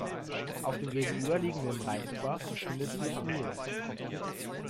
Auf dem gegenüberliegenden Rheinufer befindet sich Niehl.